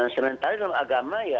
sementara dalam agama ya